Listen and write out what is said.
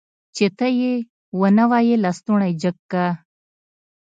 چې ته يې ونه وايي لستوڼی جګ که.